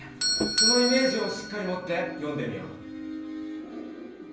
そのイメージをしっかり持って読んでみよう。